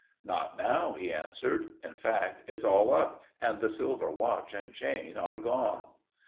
"Not now," he answered. "In fact, it's all up, and the silver watch and chain are gone."